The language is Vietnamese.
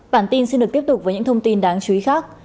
bản tin xin được tiếp tục với những thông tin đáng chú ý khác